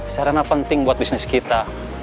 sarana penting buat bisnis kita